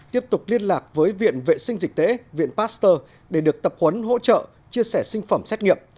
tiếp tục liên lạc với viện vệ sinh dịch tế viện pasteur để được tập huấn hỗ trợ chia sẻ sinh phẩm xét nghiệm